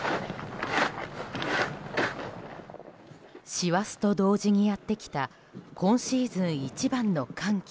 師走と同時にやってきた今シーズン一番の寒気。